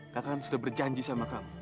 kakak kan sudah berjanji sama kamu